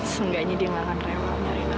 semangatnya dia gak akan rewel nyariin aku